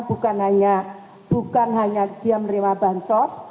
bukan hanya dia menerima bansos